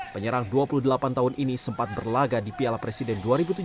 penyerang dua puluh delapan tahun ini sempat berlaga di piala presiden dua ribu tujuh belas